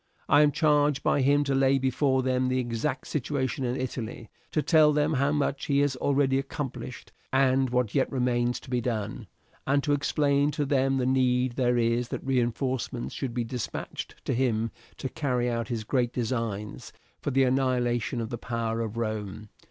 I am charged by him to lay before them the exact situation in Italy, to tell them how much he has already accomplished, and what yet remains to be done, and to explain to them the need there is that reinforcements should be despatched to him to carry out his great designs for the annihilation of the power of Rome.